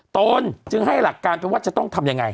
ตนจึงให้หลักการไปว่าจะต้องทำยังไง